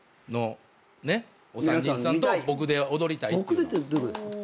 「僕で」ってどういうことですか？